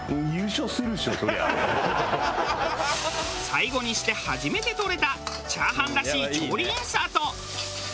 最後にして初めて撮れたチャーハンらしい調理インサート。